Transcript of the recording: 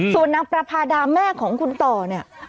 ส่วนนางประพาดาแม่ของคุณต่อเนี่ย